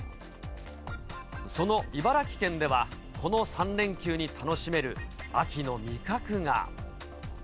その茨城県では、この３連休に楽しめる秋の味覚が。